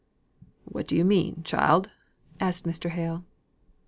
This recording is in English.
"What do you mean, child?" asked Mr. Hale.